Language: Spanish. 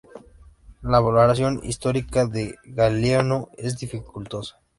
La valoración histórica de Galieno es dificultosa.